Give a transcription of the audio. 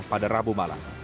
pada rabu malam